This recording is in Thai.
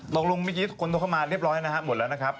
ตกลงเมื่อกี้คนโทรเข้ามาเรียบร้อยนะครับหมดแล้วนะครับ